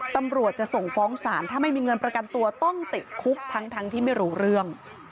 ตำรวจจะส่งฟ้องศาลถ้าไม่มีเงินประกันตัวต้องติดคุกทั้งที่ไม่รู้เรื่อง